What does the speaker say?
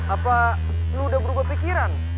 apa lu udah berubah pikiran